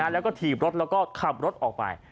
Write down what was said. แล้วก็ถีบรถแล้วก็ขับรถออกไป